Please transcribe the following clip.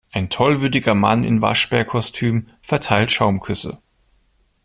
Ein tollwütiger Mann in Waschbärkostüm verteilt Schaumküsse.